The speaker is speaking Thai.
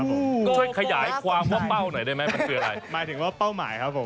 ก็ช่วยขยายความว่าเป้าหน่อยได้ไหมมันคืออะไรหมายถึงว่าเป้าหมายครับผม